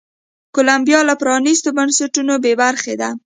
کولمبیا له پرانیستو بنسټونو بې برخې ده.